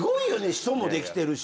人もできてるし。